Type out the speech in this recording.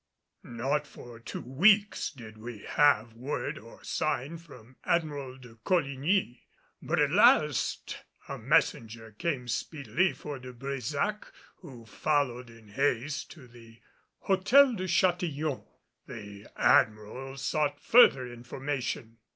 Not for two weeks did we have word or sign from Admiral de Coligny; but at last a messenger came speedily for De Brésac, who followed in haste to the Hôtel de Châtillon. The Admiral sought further information.